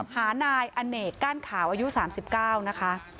หานายอเนกก้านขาวอายุ๓๙นะคะ